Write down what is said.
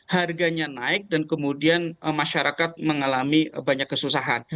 harganya naik dan kemudian masyarakat mengalami banyak kesusahan